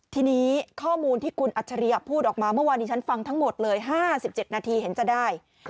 ทีนี้ข้อมูลที่คุณอัจฉริยะพูดออกมาเมื่อวานนี้ฉันฟังทั้งหมดเลย๕๗นาทีเห็นจะได้